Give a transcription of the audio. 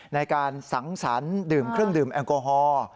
ในการสังสรรค์ดื่มเครื่องดื่มแอลกอฮอล์